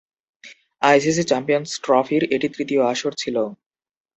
ICC champions ট্রফির এটি তৃতীয় আসর ছিল।